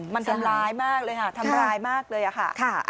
มันทำร้ายมากเลยค่ะทำร้ายมากเลยค่ะ